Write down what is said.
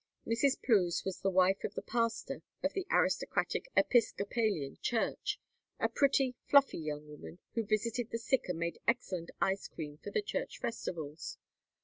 Mrs. Plews was the wife of the pastor of the aristocratic Episcopalian church, a pretty fluffy young woman, who visited the sick and made excellent ice cream for the church festivals.